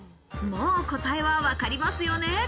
もう答えはわかりますね？